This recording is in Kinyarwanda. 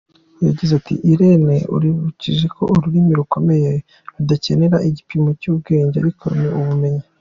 Yagize ati "Irene unyibukije ko ururimi rukomeye rudakenera igipimo cy’ubwenge ariko ni ubumenyi.